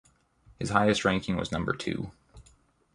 His highest ranking was number two.